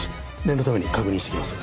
念のために確認してきます。